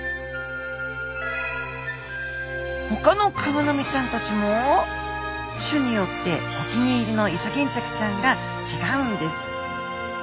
ほかのクマノミちゃんたちも種によってお気に入りのイソギンチャクちゃんが違うんです。